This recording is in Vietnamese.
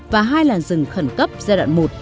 và hai làn rừng khẩn cấp giai đoạn một